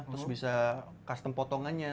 terus bisa custom potongannya